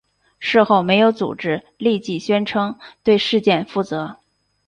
事后没有组织立即宣称对事件负责。